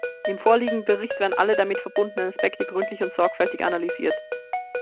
Im vorliegenden Bericht werden alle damit verbundenen Aspekte gründlich und sorgfältig analysiert.